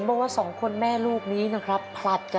ก็มันไม่มีเงินส่งด้วยค่ะ